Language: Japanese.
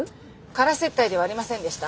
空接待ではありませんでした。